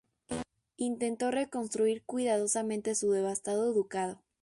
Intentó reconstruir cuidadosamente su devastado ducado.